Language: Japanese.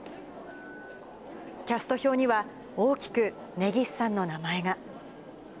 キャスト表には、大きく根岸さんの名前が。